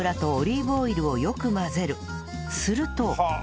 すると